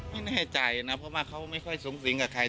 ไม่แน่ใจนะเพราะว่าเขาไม่ค่อยสูงสิงกับใคร